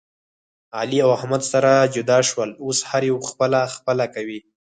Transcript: علي او احمد سره جدا شول. اوس هر یو خپله خپله کوي.